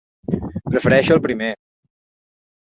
Prefereixo el primer.